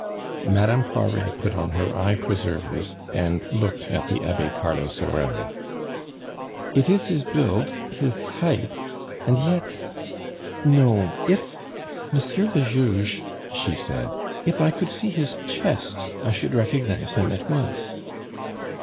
Madame Poiret put on her "eye preservers," and looked at the Abbe Carlos Herrera. "It is his build, his height; and yet no if Monsieur le Juge," she said, "if I could see his chest I should recognize him at once."